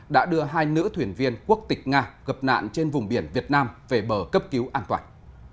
đã đưa hai nữ thuyền viên quốc tịch nga gập nạn trên vùng biển việt nam về bờ cấp cứu an toàn